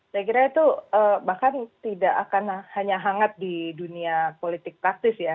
saya kira itu bahkan tidak akan hanya hangat di dunia politik praktis ya